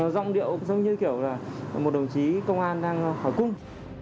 rọng điệu giống như kiểu là một đồng chí công an đang khỏi cung